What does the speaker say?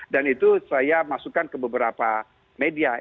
dan itu saya masukkan ke beberapa media